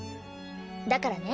だからね